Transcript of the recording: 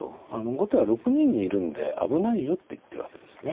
後手は６二にいるんで危ないよって言ってるわけですね。